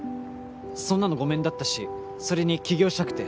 そんなのごめんだったしそれに起業したくて。